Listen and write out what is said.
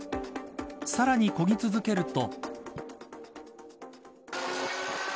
さらに、こぎ続けると。